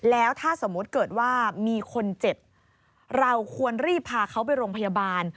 แล้วถ้าสมมุติเกิดว่ามีคนเจ็บเราควรรีบพาเขาไปโรงพยาบาล